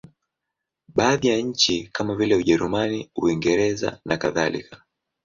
Baadhi ya nchi kama vile Ujerumani, Uingereza nakadhalika.